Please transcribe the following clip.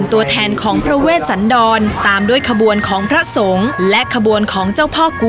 การแห่พระเวสันดอนเข้ามือ